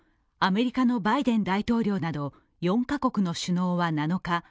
、アメリカのバイデン大統領など４カ国の首脳は７日